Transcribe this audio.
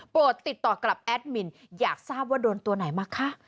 ติดต่อกลับแอดมินอยากทราบว่าโดนตัวไหนมาคะ